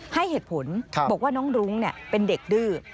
ให้เหตุผลบอกว่าน้องรุ้งเป็นเด็กดื้อ